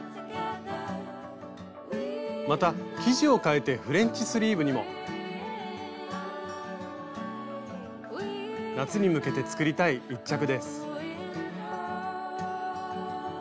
また生地をかえてフレンチスリーブにも。夏に向けて作りたい１着です。